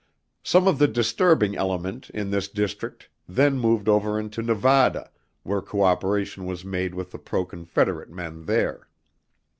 Some of the disturbing element in this district then moved over into Nevada where cooperation was made with the pro Confederate men there.